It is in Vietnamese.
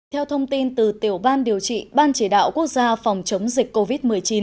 theo thông tin từ tiểu ban điều trị ban chỉ đạo quốc gia phòng chống dịch covid một mươi chín